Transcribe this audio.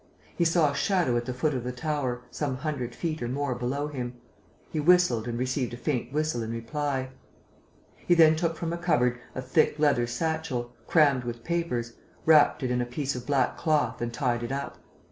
He saw a shadow at the foot of the tower, some hundred feet or more below him. He whistled and received a faint whistle in reply. He then took from a cupboard a thick leather satchel, crammed with papers, wrapped it in a piece of black cloth and tied it up.